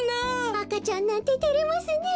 あかちゃんなんててれますねえ。